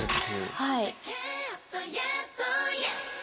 はい。